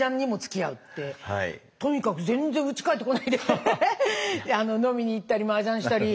とにかく全然うち帰ってこないで飲みに行ったりマージャンしたり。